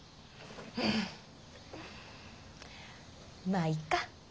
まあいっか。